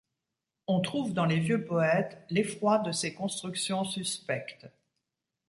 On trouve dans les vieux poètes l’effroi de ces constructions suspectes.